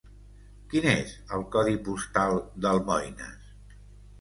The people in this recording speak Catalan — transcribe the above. Quin és el codi postal d'Almoines?